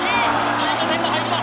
追加点が入ります